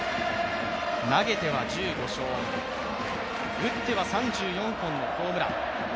投げては１５勝、打っては３４本のホームラン。